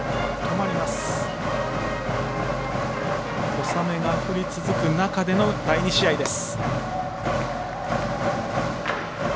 小雨が降り続く中での第２試合です。